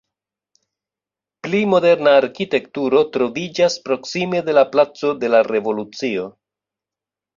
Pli moderna arkitekturo troviĝas proksime de la Placo de la Revolucio.